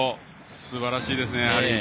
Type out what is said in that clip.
すばらしいですね、やはり。